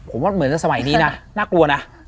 ผมว่าเหมือนสมัยนี้นะน่ากลัวนะ